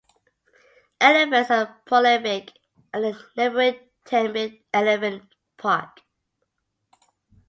Elephants are prolific at the neighbouring Tembe Elephant Park.